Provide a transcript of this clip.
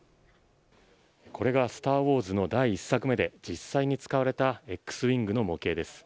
これがスター・ウォーズの第１作目で実際に使われたＸウィングの模型です。